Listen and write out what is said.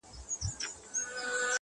د مینو درد غزل سي یا ټپه سي,